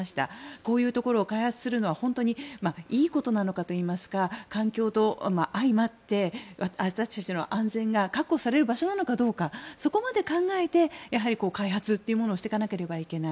こういうところを開発するのは本当にいいことなのかといいますか環境と相まって私たちの安全が確保される場所なのかどうかそこまで考えて開発というものをしていかなければいけない。